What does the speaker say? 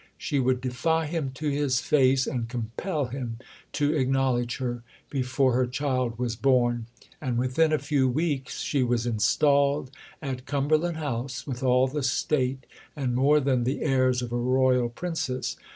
She would defy him to his face, and compel him to acknowledge her before her child was born. And within a few weeks she was installed at Cumberland House, with all the state and more than the airs of a Royal Princess.